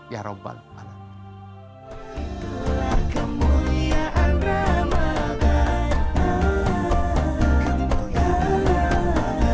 ya rabbal alamin